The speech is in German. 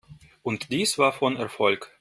Und dies war von Erfolg.